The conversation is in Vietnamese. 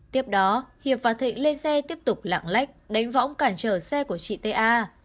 tiếp đó hiệp và thịnh lên xe tiếp tục lạng lách đánh võng cản trở xe của chị ta